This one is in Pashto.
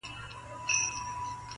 ښاغلی محمد صدیق پسرلي,